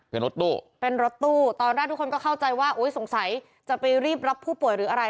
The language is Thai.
เป็นรถตู้เป็นรถตู้ตอนแรกทุกคนก็เข้าใจว่าอุ๊ยสงสัยจะไปรีบรับผู้ป่วยหรืออะไร